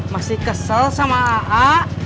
masih kesel sama a'a